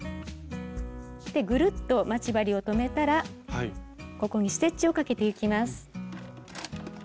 ぐるっと待ち針を留めたらここにステッチをかけてゆきます。